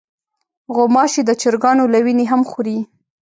غوماشې د چرګانو له وینې هم خوري.